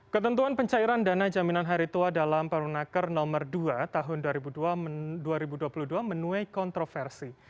ketentuan pencairan dana jaminan hari tua dalam perunaker nomor dua tahun dua ribu dua puluh dua menuai kontroversi